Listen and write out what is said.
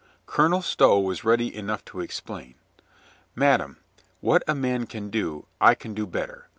Colonel Stow was ready enough to explain. "Madame, what a man can do, I can do better.